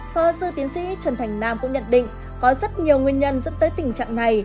phó sư tiến sĩ trần thành nam cũng nhận định có rất nhiều nguyên nhân dẫn tới tình trạng này